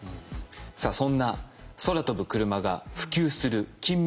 さあそんな空飛ぶクルマが普及する近未来